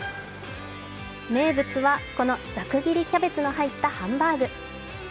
名物は、このざく切りキャベツの入ったハンバーグ。